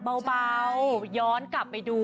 เบาย้อนกลับไปดู